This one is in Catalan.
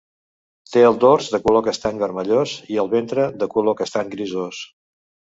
Té el dors de color castany vermellós i el ventre de color castany grisós.